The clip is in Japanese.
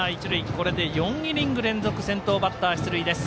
これで４イニング連続先頭バッター出塁です。